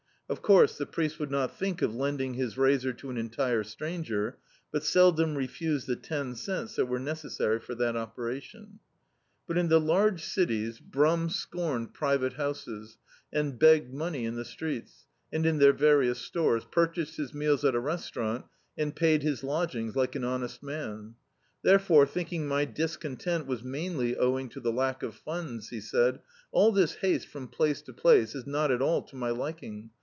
Of course, the priest would not think of lending his razor to an entire stranger, but seldom refused the ten cents that were necessary for that operation. But in the la^ cities, Brum D,i.,.db, Google The Autobiography of z Super Tramp scorned private houses, and begged money in the streets, and in their various stores; purchased his meals at a restaurant, and paid his lodgings like an honest man. Therefore, thinking my discontent was mainly owing to the lack of funds, he said — "All this haste from place to place is not at all to my liking.